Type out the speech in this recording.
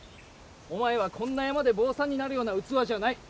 お前はこんな山で坊さんになるような器じゃない。